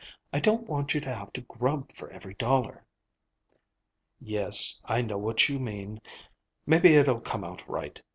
I don't want you to have to grub for every dollar." "Yes, I know what you mean. Maybe it'll come out right.